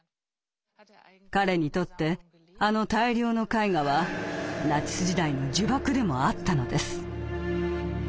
彼にとってあの大量の絵画はナチス時代の呪縛でもあったのです。